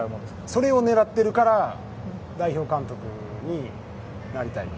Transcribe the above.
それを狙っているから代表監督になりたい。